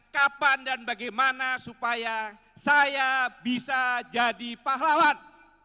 kapan dan bagaimana supaya saya bisa jadi pahlawan